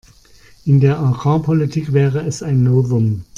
In der Agrarpolitik wäre es ein Novum.